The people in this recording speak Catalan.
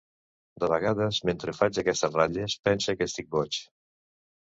De vegades, mentre faig aquestes ratlles, pense que estic boig.